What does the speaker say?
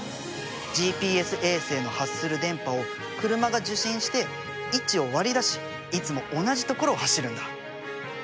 ＧＰＳ衛星の発する電波を車が受信して位置を割り出しいつも同じ所を走るんだ。